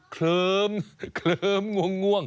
เกลิ้มเกลิ้มง่วงง่วง